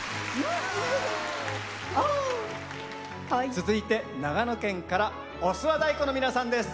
続いて長野県から御諏訪太鼓の皆さんです。